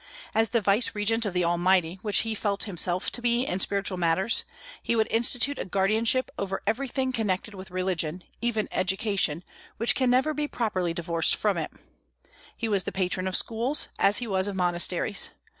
As the vicegerent of the Almighty, which he felt himself to be in spiritual matters, he would institute a guardianship over everything connected with religion, even education, which can never be properly divorced from it. He was the patron of schools, as he was of monasteries.